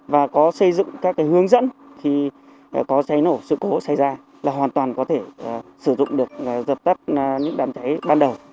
và có xây dựng các hướng dẫn khi có cháy nổ sự cố xảy ra là hoàn toàn có thể sử dụng được dập tắt những đám cháy ban đầu